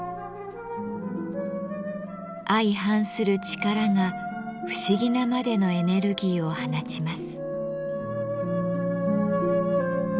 相反する力が不思議なまでのエネルギーを放ちます。